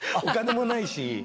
お金もないし。